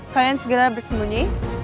kalian segera bersembunyi